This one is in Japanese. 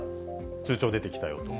通帳出てきたよとか。